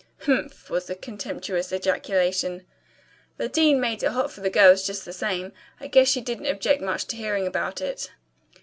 "Humph!" was the contemptuous ejaculation. "The dean made it hot for the girls just the same. I guess she didn't object much to hearing about it."